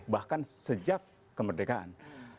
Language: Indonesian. bahkan sejak kemerdekaan